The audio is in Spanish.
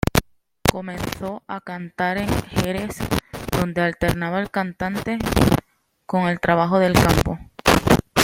Comenzó a cantar en Jerez donde alternaba el cante con el trabajo del campo.